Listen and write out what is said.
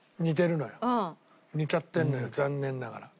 似ちゃってるのよ残念ながら。